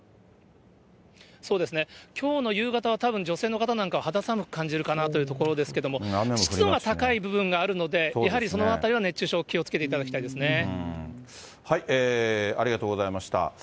そうですね、きょうの夕方は、たぶん女性の方なんかは肌寒く感じるかなというところですけれども、湿度が高い部分があるので、やはりそのあたりは熱中症、ありがとうございました。